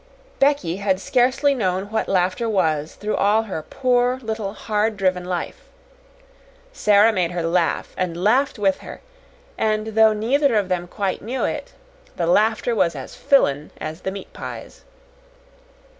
Becky had scarcely known what laughter was through all her poor, little hard driven life. Sara made her laugh, and laughed with her; and, though neither of them quite knew it, the laughter was as "fillin'" as the meat pies.